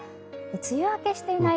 梅雨明けしていない